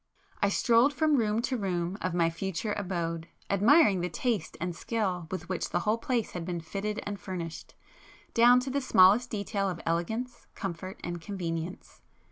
I strolled from room to room of my future abode, admiring the taste and skill with which the whole place had been fitted and furnished, down to the smallest detail of elegance, comfort and convenience.